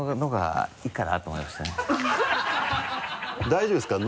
大丈夫ですか？